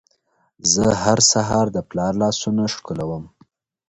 زه هر سهار د پلار لاسونه ښکلوم.